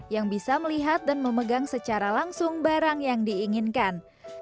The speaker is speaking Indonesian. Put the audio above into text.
yang bisa melihat dan memegang secara langsung barang yang diinginkan